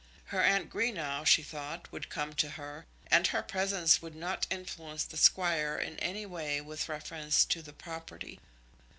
Her aunt Greenow, she thought, would come to her, and her presence would not influence the Squire in any way with reference to the property.